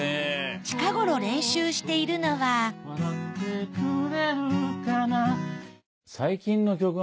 近頃練習しているのは最先端。